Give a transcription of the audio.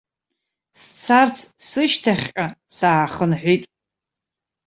Сцарц сышьҭахьҟа саахынҳәит.